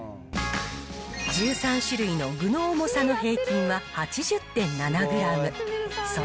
１３種類の具の重さの平均は、８０．７グラム。